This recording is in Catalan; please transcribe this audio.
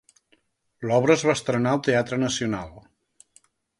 L'obra es va estrenar al Teatre Nacional.